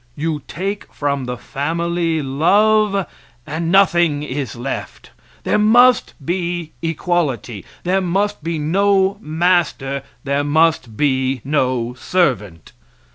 You take from the family love, and nothing is left. There must be equality; there must be no master; there must be no servant.